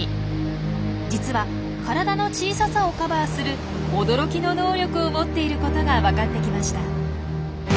実は体の小ささをカバーする驚きの能力を持っていることがわかってきました。